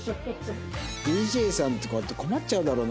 ＤＪさんとかって困っちゃうだろうな